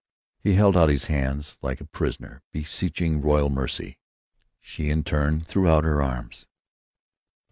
He held out his hands, like a prisoner beseeching royal mercy. She in turn threw out her arms.